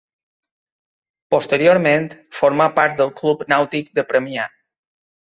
Posteriorment, formà part del Club Nàutic de Premià.